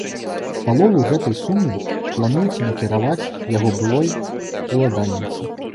Палову гэтай сумы плануецца накіраваць яго былой уладальніцы.